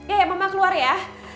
iya mama keluar ya